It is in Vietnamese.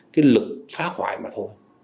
cái lực phá hoại mà thôi